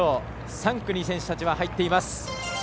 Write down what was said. ３区に選手たちは入っています。